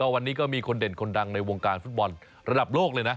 วันนี้ก็มีคนเด่นคนดังในวงการฟุตบอลระดับโลกเลยนะ